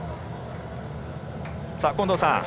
近藤さん